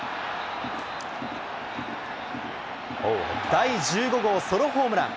第１５号ソロホームラン。